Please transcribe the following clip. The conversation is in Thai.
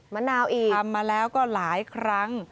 มะนาวอีกทำมาแล้วก็หลายครั้ง